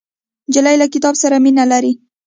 نجلۍ له کتاب سره مینه لري.